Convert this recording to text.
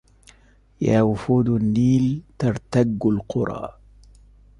يا وفود النيل ترتج القرى